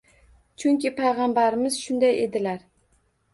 Chunki payg‘ambarimiz shunday edilar